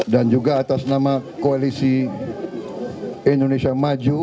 dan juga atas nama koalisi indonesia maju